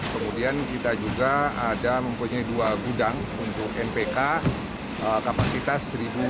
kemudian kita juga ada mempunyai dua gudang untuk npk kapasitas satu lima ratus